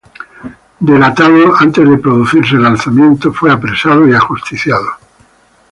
Delatado antes de producirse el alzamiento, fue apresado y ajusticiado.